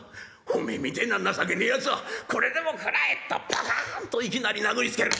おめえみてえな情けねえやつはこれでも食らえ！」とパカンといきなり殴りつける。